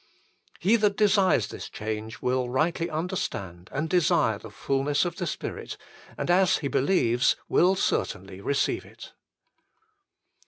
He that desires this change will rightly understand and desire the fulness of the Spirit, and as he believes will certainly receive it.